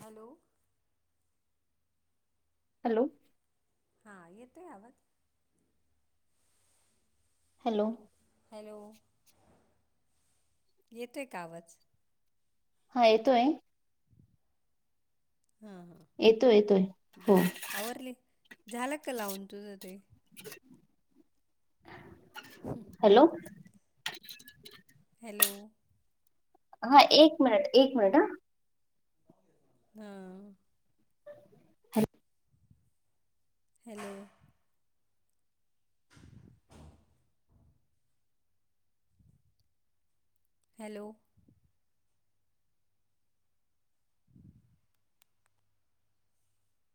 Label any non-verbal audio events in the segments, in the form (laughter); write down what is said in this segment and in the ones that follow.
Hello. Hello. हा येतोय आवाज? हॅलो. हॅलो, येतोय का आवाज? हा येतोय. हा- हा. येतोय- येतोय हो. आवरले. झाला का, लावून तुझं ते? (inaudible) हॅलो. हॅलो. हा एक मिनिट, एक मिनिट हं. ह्ह. (unintelligible) (inaudible) हॅलो. हॅलो. (inaudible)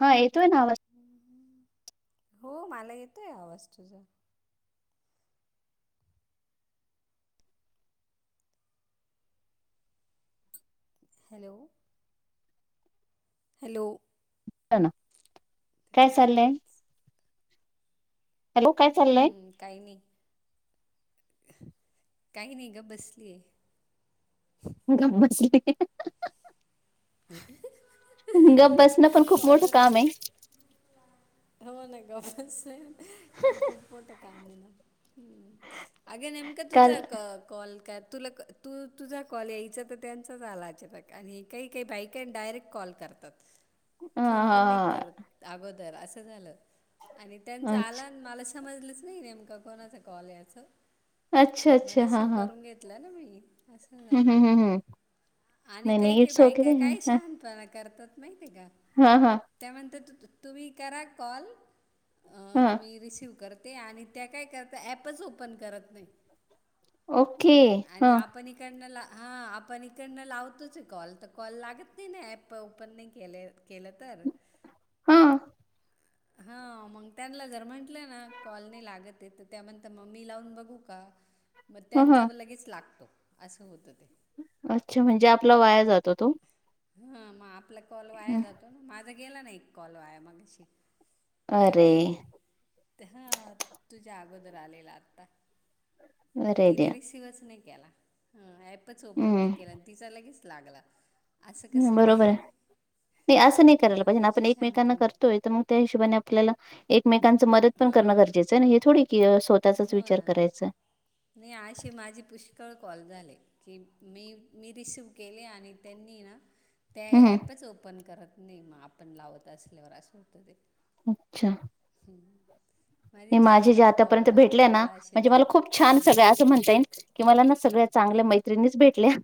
हा, येतोय ना आवाज. हो, मला येतोय आवाज तुझा. हॅलो. हॅलो. (unintelligible) काय चालंय? हॅलो, काय चा हम्म काय नी, काय नी गं बसलीय. गप बसली. गप बसणं पण खूप मोठं कॉलरच काम हे. हो ना गप बसणं, खूप मोठं काम हे ना. अगं नेमका काल तुझा कॉ- कॉल कट तुला क तू तुझा कॉल यायचा, तर त्यांचाच आला अचानक आणि काही ती बाई कान डायरेक्ट कॉल करतात. फोन पण नाही हा करत अगोदर असं झालं आणि त्यांचा अच्छा आला मला समजलंच नही नेमका कोणाचा कॉल हे असं. अच्छा मग अच्छा हा रिसिव्ह हा करून घेतला ना मी. असं झालं आणि नाही काही- नाही काही इट्स बाई ओके पणा करतात माहितीय का? हं- हं. त्या म्हणतात. तु तुम्ही करा कॉल, हा मी रिसीव कर त्यां कायं करतां ॲपच ओपन करतं नाहीं ओके आणि हा आपणं हां आपणं इकडं लावतोचं हे कॉल कॉल लागतं नाहीं नां ऍप ओपन नाहीं केले केलं तरं हां आं हां मंग त्यांना जरं म्हंटलं नां कॉल नाहीं लागतं हे त्यां म्हणतां मी लावूंन बघूं कां मंग ह ह त्यांचा लगेचं लागतो असं होतं ते अच्छा म्हणजे आपलां वायां जातो तो हां मंग आपलां कॉल वायां जातो नां माझां गेलां नां एक कॉल वायां मगांशी त्यां अरे बाईने ते हं तुझ्यां अगोदर आलेला आंता अरे तिने द्या रिसिवचं नाहीं केलां ॲपच ओपन नाहीं हम्म केलं आणि तिचां लगेच लागलां हं बरोबर आहे नाहीं असं नाहीं करायला पाहिजे हां नां अशी आपणं एकमेकांना शहाणपण करतोय तरं मंग त्यां हिशोबाने आपल्यांला एकमेकांच मंदत पणं करणं हां गरजेचं आहे नां हे थोडी की स्वंतःचां चं विचारं करायचं नाहीं आशी माझी पुष्कळं कॉल झाली की मी मी रिसिव केले आणि त्यांनी नां त्यां हम्म ॲपच ओपन करतं नाहीं मंग आपणं लावतं असल्यांवर असं होतं ते अच्छा हम्मं मी माझे जे आंतापर्यंत भेटले नां कॉल असेच म्हणजे झाले मलां खूंप छांन हं. सगळं असं म्हणतां येईन कि मलां नां सगळ्यां चांगल्या हां मैत्रिणीचं भेटल्यां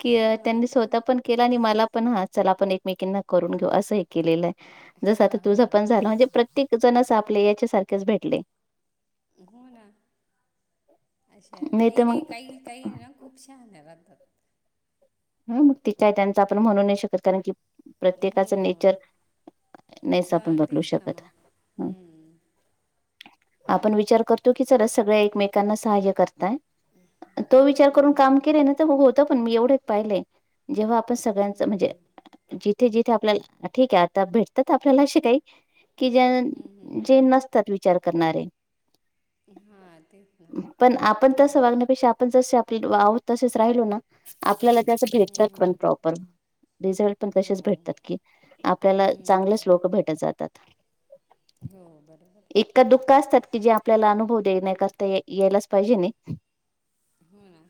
कि हां हो ना त्यांनी स्वंतः पणं केलां आणि मलां पणं हां चलां आपणं एकमेकांना करूंन घेऊं असं एक केलेलं आहे जसं आंता हां तुझं हां पणं झालं म्हणजे प्रत्येक जणं आपल्यां यांच्या सारखे चं भेटले हो नां अच्छा नाही नाहीं तर मग नाहीं कांहीं कांहीं नां खूंप श्याहाण्यांना राहतांत हं मंग ते कायं त्यांच आपणं म्हणूंन नाहीं शकतं कारणं की प्रत्येकाचं नेचर हं. नाहींच आपणं हां, बदलूं तेच ना शकतं मग. हं आपणं विचार करतो की चलां सगळ्यां एकमेकांना सहांय्य करतांय तो विचार करूंन हं. कामं केलंय नां होतं पणं मी एवढं पाहिले जेव्हां आपणं सगळ्यांच म्हणजे जिथे जिथे आपल्यांला ठीक आहे, आंता भेटतांत आपल्यांला. असे कांहीं कि, हं, ज्यां हं. जे नसतांत विचार करणारे. हां... तेचं नां. पणं, आपणं तसं वागण्यांपेक्षा, आपणं जसे आपणं आहोतं, तसेच राहिलो नां. आपल्यांला त्यासं भेटतांत, पणं प्रॉपर रिझल्ट पणं हो. तसेचं भेटतांत, की आपल्यांला चांगले हं. चं लोकं भेटतं जातांत. हो, बरोबर आहे. एकां दुःखळ असतांत, की जे आपल्यांला अनुभव देण्यांकरतां यातलां चं पाहिजे. हो ना.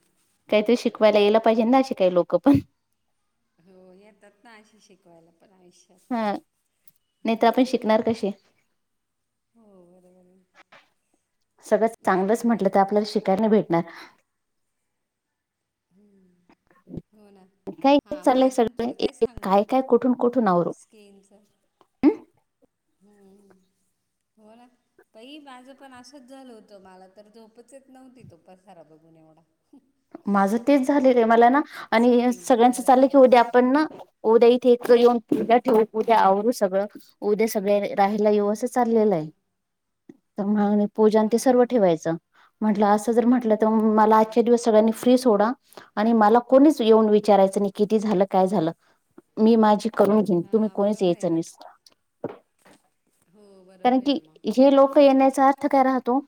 कांहींतरी शिकव वांयला यांला पाहिजेे. कांहीं लोकं पणं हो, येतांत नां, अशी शिकवांयला पणं आयुष्यांत. नाहीं, तरं आपणं शिकणांर कशी? हो, बरोबर आहे. सगळं बाकी चांगलंच काय म्हटलं, तरं म्हणते? आपल्यांला शिक कायं लां नाहीं भेटणांर. हम्मं.... हो... नां. काय हां, मगं चाललंय अजूंन सगळ तुलां कायं सांगू. काय मी काय कुठून कुठून आवरू स्किनचं ह ह हो ना, पई, माझं पण आसच झालं होतं, मला तर झोपच येत नव्हती तो पसारा बघून एवढा. माझं तेच झालेलं आहे मला ना आणि शिफ्टिंगचं सगळ्यांच झालं चाललं की तेव्हा. उद्या, पण ना, उद्या इथे एक येऊन उद्या ठेवू उद्या आवरू सगळं. उद्या सगळे राहियला येऊ असच, (inaudible) हां, सर्व हां, हां. ठेवाय अस म्हट तर मला हां. आच्यादिवस, ते सोडा आणि मला कोणीच येऊन हां विचारायचं नाही किती झालं काय झालं मी माझ्या, करून घेईन तुम्ही हां कोणीच बरोबर आहे यायचं ना नाहीसा, हो कारण बरोबर आहे की, ना मग हे लोक येण्याचा! काय राहतो.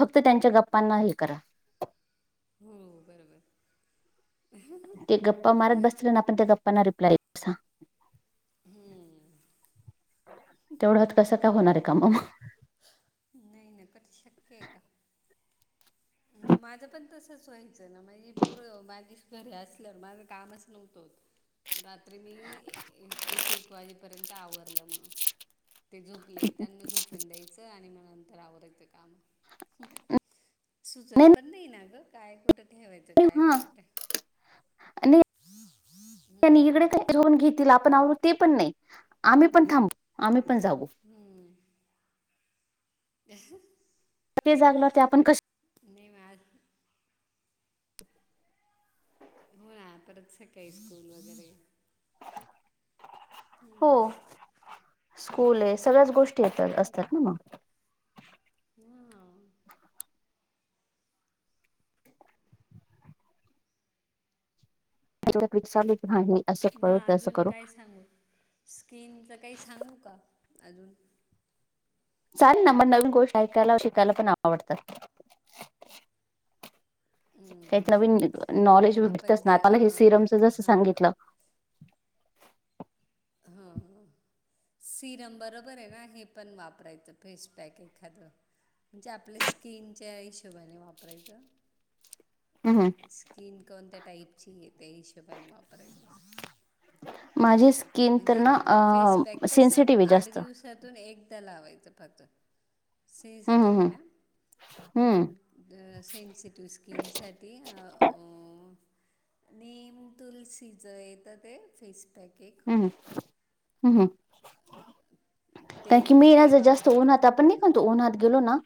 फक्त त्यांच्या गप्पांना हे करा. हो बरोबर, गप्पा मारत बसल ना आपण त्या गप्पाना रिल्पाय देतो. हम्म.... तेवढं कसं काय होणार आहे का मग, नाही ना कधी शक्य आहे का. मग, माझं पण तसच व्हायचं ना मजी पोर माझी घरी असलं माझं कामच नव्हतं होत. मग रात्री मी एक एक वाजेपर्यंत आवरलं मग, ते झोपले. त्यांना झोपून द्यायचं, आणि मग नंतर आवरायचं काम. सुचत पण नाही. ना ग काय कुठं ठेवायचं. काय हा कुठ ते नाही हम्म, तिला आपण आवरु ते पण नाही. आम्ही पण थांबू. आम्ही पण जाऊ. हम्..... या (inaudible) (inaudible) कधी जागनार ते आपण कस, निवांत, हो ना, परत स (inaudible) काय स्कूल वगैरे. हो, स्कूल आहे सगळ्याच गोष्टी येतात असतात ना मग, हा.... त (inaudible) विली (inaudible) रा (inaudible) म अजून काय सांगू? स्कीिनच काही सांगू का? अजून चालेल ना, मला नवीन गोष्ट ऐकायला शिकायला. पण आवडतात. त्यात नवीन लिहितो नॉलेज आपण तिथंच ना अ, मला जे सिरमच जस हां सांगितलं. ह ह.. सिरम बरोबर आहे ना हे पण वापरायचं फेसपॅक एखादं, ते आपल्या स्किनच्या हिशोबाने वापरायचं! स्किन कोणत्या टाईपची आहे त्या हिशोबाने वापरायचं. फेस माझी पॅक स्किन, तर म्हणजे ना अ फेसपॅक कस सेन्सिटिव्ह आहे आठ जास्त. दिवस, सातून एकदा लावायचं फारतर हं, हं, सेन्सिटीव्ह हे हं. ना मग हं, तुम, अ सेनसिटिव स्किनसाठी अ, निम तुलसीचं येतं ते फेस पॅक एक, हम्म, हम्म हम्, ते कारण की मी ना ते जर जास्त वापरायचं उन्हात आपण फक्त नाही उन्हात गेलो ना.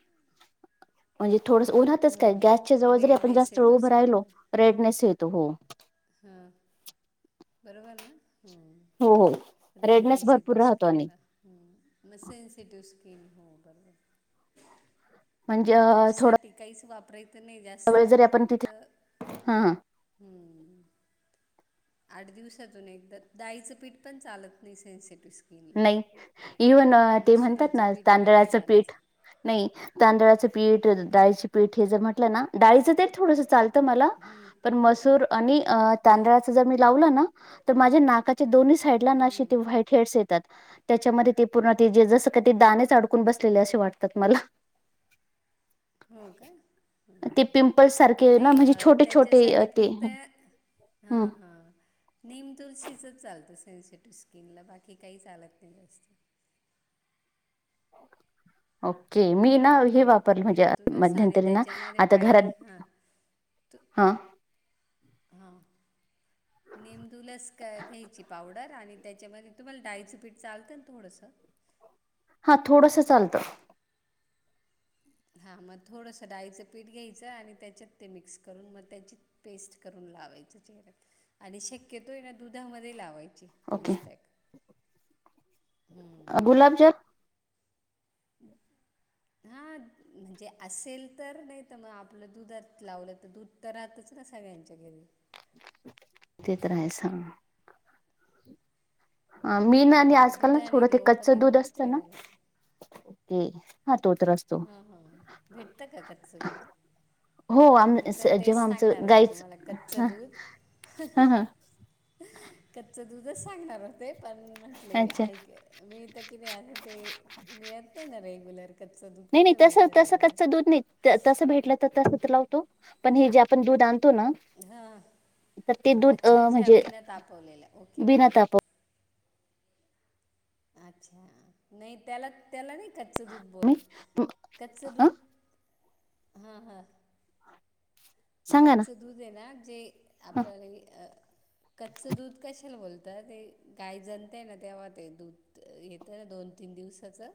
म्हणजे थोडसं उन्हातचं काय हम्म. गॅसच्या जवळ जरी आपण रेडनेस जास्त वेळ येतो उभ राहिलो रेडनेस येतो. हो. हा बरोबर ना हो, हो. हम्म. रेडनेस भरपूर येतो राहतो आणि स्कीनला. मग सेन्सिटिव्ह स्किन हो बरोबर. म्हणजे मग थोडा त्याच्यासाठी काहीच वापरायचं नाही जास्त वेळ जरी आपण फक्त तिथे हां, हां. हम्म. आठ दिवसातून एकदा दाळीचं पीठ पण चालत नाही सेन्सिटिव्ह स्की नाही इव्हन ते म्हणतात ना पीठ पण नाही तांदळाचं चालत पीठ नाही तांदळाचं पीठ, फक्त डाळीचं पीठ हे जर म्हटलं ना दाळिचं ते थोडंस चाल त मला पण मसूर आणि हां तांदळाचं जर मी लावलं ना तर माझ्या नाकाच्या दोन्ही साईडला ना हं, असे ते व्हाईट हेडस ये तात. त्याच्यामध्ये ते पूर्ण तेे जसं काय ते दाणेच अडकून बसलेले असे वाटतात मला. (inaudible) हो का? ते हम्म पिंपल्स सारखे ना नाही म्हणजे छोटे छोटे अ, त्याच्यासाठी ते फक्त हा हम्म हा. नीम तुळशीचंच चालतं सेन्सिटिव स्किनला बाकी काही चालत नाही जास्त. ओके. मी ना हे हो वापरल म्हणजे नीम तुलस आणि मध्यंतरी ना त्याच्यामध्ये आता पाय घरात हां हा. हा. नेंदूलस क घ्यायची पावडर आणि त्याच्यामध्ये तुम्हाला डाळिचं पीठ चालतं ना थोडंसं? हा थोडसं चालतं. हा मग थोडंसं डाळीचं पीठ घ्यायचं आणि त्याच्यात ते मिक्स करून मग, त्याची पेस्ट करून लावायची चेहऱ्याला आणि शक्यतो आहे ना दुधामध्ये लावायची. ओके फेसपॅक हम्म. गुलाबजल? (unintelligible) हा म्हणजे असेल तर, नाही तर मग आपलं दुधात लावलं तर दूध तर राहतचं ना सगळ्यांच्या घरी. ते तर आहेस हा. अ मी ना हम्म, आजकाल ना दुधाने थोडं ते ग्लो कच्च पण दूध येतो असतं ना? चेहऱ्याला ते हा तो तर अस हा हा भेटतं का कच्चं दुध? हो आम मी पण स- जेव्हा तेच आमचं सांगणार होते गाईच तुम्हाला कच्च ह दूध. ह ह कच्च दूधचं सांगणार होते पण म्हटले अच्छा आहे की मिळतं की नाही आता ते? मिळत नाही ना रेग्युलर? कच्चं दूध नाही नाही कुठं तसं मिळतं तसं कच्च रेग्युलर दूध नाही. त तसं भेटलं तर तसं तर लावतो, पण हे जे आपण दूध आणतो ना हा तर ते दूध अ, अच्छा अच्छा म्हणजे बिना तापवलेल्या ओके बिना ओके. ताप अच्छा नाही त्याला त्याला नाही कच्च दूध बोलत कच्च ह दूध, हा हा. सांगा ना कच्चं दूध आहे ना जे आपण इ अ कच्चं दूध कशाला बोलता ते गाय जनते ना तेव्हा ते दूध त येतं दोन तीन दिवसाचं.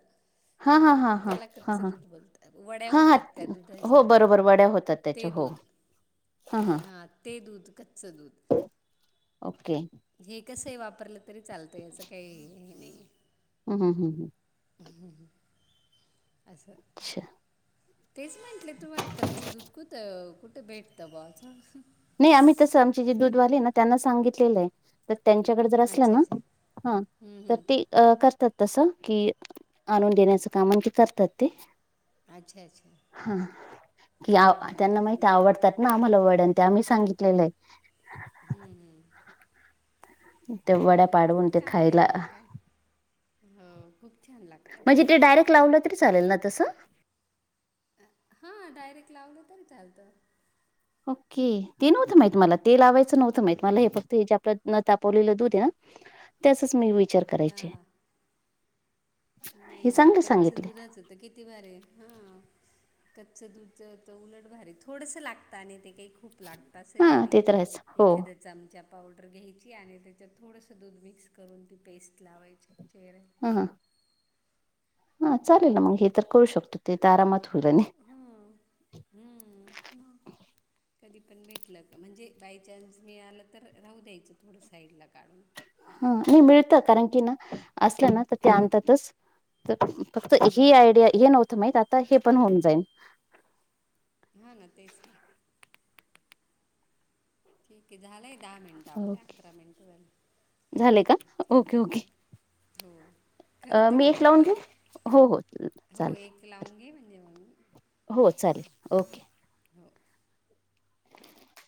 हा हा हा हा त्याला हा कच्चं हा दूध बोलतात वड्या हा हा होतात त्या हा हो दुधाच्या बरोबर वड्या होतात. त्याच्या हो. हां हां हा ते दूध कच्चं दूध. ओके. हे कसंही वापरलं तरी चालतंय. याचं काही हे नाहीये. हम्म, हम्म हम्म हम्म. असं. अच्छा तेच म्हंटले तुम्हाला कच्च दूध कुथ कुठं भेटतं बॉ अछ? नाही आम्ही तसं आमचे जे दूधवाले ना त्यांना सांगितलेलंय. तर त्यांच्याकडे जर असलं अच्छा अच्छा ना? हा हं, तर हं. ते अ करतात तसं. की आणून देण्याचं काम म्हंजे करतात ते. अच्छा अच्छा हं कि आ बरं त्यांना माहिती बरं आवडतात ना, आम्हाला वड्यान मी सांगितलेलंय. हम्म हम्म. ते हा वड्या म ते पाडवून चांगलंय खायला ना म काय? हो खूप. छान लागतात म्हणजे ते डायरेक्ट लावलं तरी चालेल ना तसं?. हां डायरेक्ट लावलं तरी चालतं. ओक्के, ते नव्हतं माहित मला. ते लावायचं नव्हतं माहित. मला हे हं. फक्त हे जे आपलं न तापवलेलं दूध आहे ना. त्याचाच मी विचार हां करायचे. हां नाही हे नाही चांगले कच्च सांगितले दुधाचं त कि ती भारी. ह कच्चं दुधजच उलट भारी. थोडसं लागतं आणि ते काई खू खूप लागतं असंही काही हा ते नाही. तर आहेच हो एखाद्या चमचा पावडर घ्यायची. आणि त्याच्यात थोडंसं दूध मिक्स करून ती पेस्ट लावायची चेहऱ्याला. ह ह. ह चालेल म हे तर करू शकतो. ते तर आरामात होईल आणि. हं हम्म म. कधी पण भेटलं का, म्हणजे बायचान्स मिळालं तर. राहू द्यायचं थोडं साईड ला काढून. ह नाही मिळतं. कारण की ना, असलं ना त ते आणतातच. त फक्त हेी आयडिया हे नव्हतं माहीत. आता हे पण होऊन जाईन. हा ना तेच न. ठीके. झालंय दहा मिनटं आपल जाईल अकरा मिनिटं झाले. झाले का? Okay okay. हो. अ करते मी का एक तू लावून घेऊ? परत? हो हो हो, चालेल. एक लावून घे म्हणजे मग हो चालेल. ओके. हो.